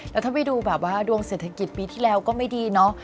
แล้วถ้าไปดูแบบว่าดวงเศรษฐกิจปีที่แล้วก็ไม่ดีเนาะ